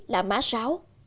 là má sáu